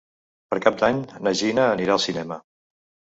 Per Cap d'Any na Gina anirà al cinema.